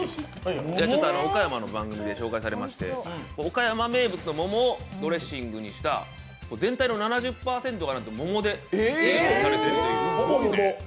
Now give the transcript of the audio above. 岡山の番組で紹介されまして岡山名物の桃をドレッシングにした全体の７０％が、なんと桃で作られているという。